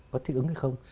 có thích ứng hay không